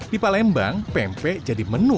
di palembang pempek jadi menu